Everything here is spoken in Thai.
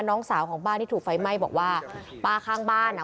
น้องสาวของป้าที่ถูกไฟไหม้บอกว่าป้าข้างบ้านอ่ะ